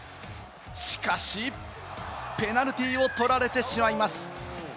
しかし、ペナルティーを取られてしまいます。